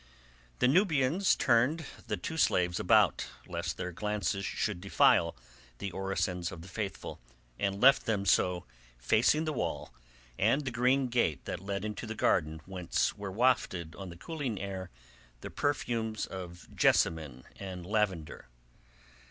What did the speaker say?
The Nubians turned the two slaves about, lest their glances should defile the orisons of the faithful, and left them so facing the wall and the green gate that led into the garden whence were wafted on the cooling air the perfumes of jessamine and lavender.